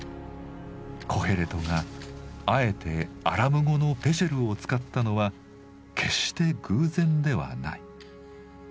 コヘレトがあえてアラム語の「ぺシェル」を使ったのは決して偶然ではない。